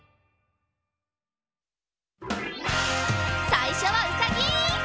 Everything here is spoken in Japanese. さいしょはうさぎ！